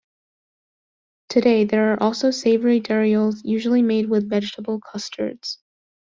Today there are also savory darioles, usually made with vegetable custards.